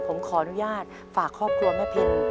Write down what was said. ผมขออนุญาตฝากครอบครัวแม่พิม